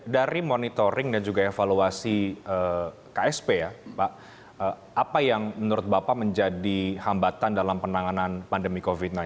dari monitoring dan juga evaluasi ksp ya pak apa yang menurut bapak menjadi hambatan dalam penanganan pandemi covid sembilan belas